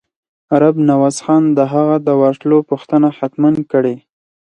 رب نواز خان د هغه د ورتلو پوښتنه حتماً کړې.